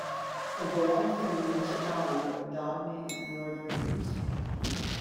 It belongs to the municipality of Dodoni in northern Greece.